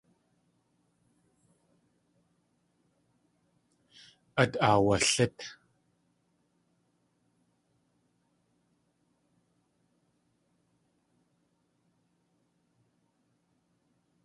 Át aawalít.